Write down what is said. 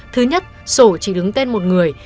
thứ nhất sổ chỉ đứng tên một người